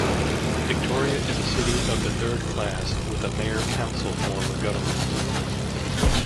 Victoria is a city of the third class with a mayor-council form of government.